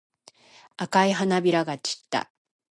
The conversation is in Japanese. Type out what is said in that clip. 赤い花びらが散った。